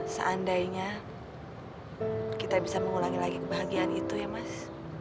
seandainya kita bisa mengulangi lagi kebahagiaan itu ya mas